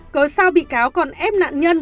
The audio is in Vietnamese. cờ sao bị cáo còn ép nạn nhân